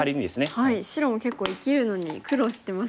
これは白も結構生きるのに苦労してますね。